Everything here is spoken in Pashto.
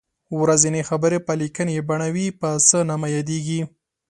ورځنۍ خبرې په لیکنۍ بڼه وي په څه نامه یادیږي.